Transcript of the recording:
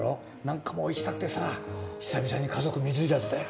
なんかもう行きたくてさ久々に家族水入らずで。